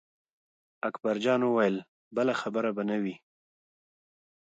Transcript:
اکبر جان ورته وویل بله خبره به نه وي.